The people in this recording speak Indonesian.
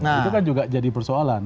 itu kan juga jadi persoalan